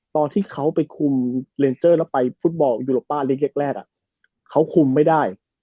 ตอนที่เขาไปคุมเลนเจอร์แล้วไปฟุตบอลยูโรป้าเล็กแรกเขาคุมไม่ได้